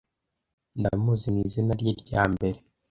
Ndamuzi mwizina rye rya mbere.